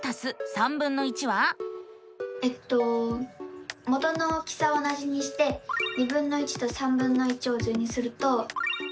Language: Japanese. えっと元の大きさは同じにしてとを図にすると。